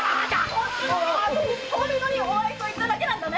本当にお愛想を言っただけなんだね